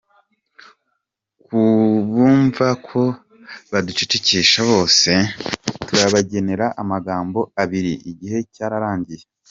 Ku bumva ko baducecekesha bose, turabagenera amagambo abiri: Igihe cyararangiye.